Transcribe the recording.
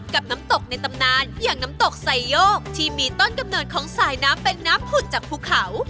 กับน้ำตกในตำนานอย่างน้ำตกไซโยกที่มีต้นกำเนิดของสายน้ำเป็นน้ำผุดจากภูเขา